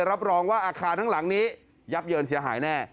รับรองว่าอาคารทั้งหลังนี้ยับเยินเสียหายแน่